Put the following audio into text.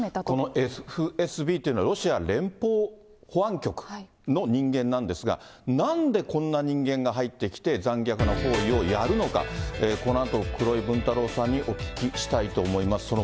このＦＳＢというのは、ロシア連邦保安局の人間なんですが、なんでこんな人間が入ってきて、残虐な行為をやるのか、このあと、黒井文太郎さんにお聞きしたいと思います。